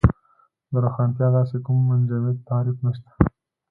د روښانتیا داسې کوم منجمد تعریف نشته.